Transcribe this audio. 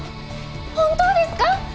本当ですか？